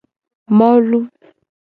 Molu.